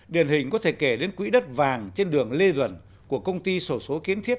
điển hình có thể kể đến quỹ đất vàng trên đường lê duẩn của công ty sổ số kiến thiết